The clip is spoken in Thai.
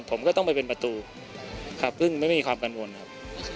ผมก็ต้องไปเป็นประตูครับซึ่งไม่มีความกังวลครับ